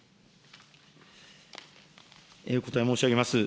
お答え申し上げます。